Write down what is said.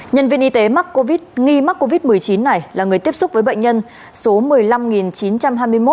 nhân viên y tế mắc covid nghi mắc covid một mươi chín này là người tiếp xúc với bệnh nhân số một mươi năm chín trăm hai mươi một